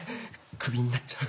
首になっちゃう。